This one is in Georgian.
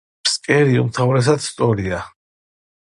ფსკერი უმთავრესად სწორია.